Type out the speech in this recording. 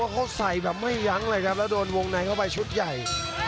เขาใส่แบบไม่ยั้งเลยครับแล้วโดนวงในเข้าไปชุดใหญ่